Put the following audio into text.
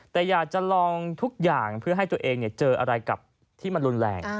แต่อยากจะลองทุกอย่างเพื่อให้ตัวเองเจออะไรกับที่มันรุนแรง